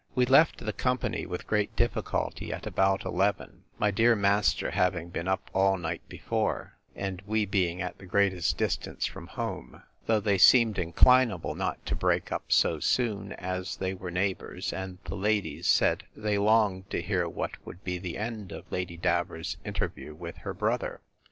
We left the company with great difficulty at about eleven, my dear master having been up all night before, and we being at the greatest distance from home; though they seemed inclinable not to break up so soon, as they were neighbours; and the ladies said, They longed to hear what would be the end of Lady Davers's interview with her brother.